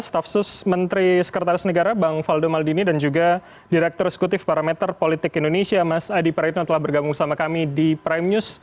stafsus menteri sekretaris negara bang waldo maldini dan juga direktur eksekutif parameter politik indonesia mas adi praditno telah berganggu sama kami di prime news